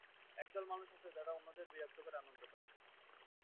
একদল মানুষ আছে, যারা অন্যদের বিরক্ত করে আনন্দ পায়।